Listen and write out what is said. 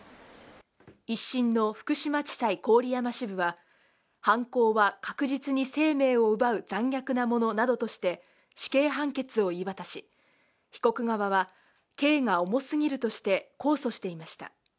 １審の福島地裁郡山支部は犯行は確実に生命を奪う残虐なものなどとして、死刑判決を言い渡し、被告側は刑が重すぎるとして、控訴していました。